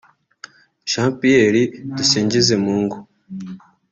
Jean Pierre Dusingizemungu